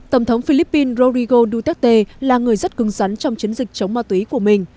tổng thống philippines rodrigo duterte là người rất cứng rắn trong chiến dịch chống ma túy của mình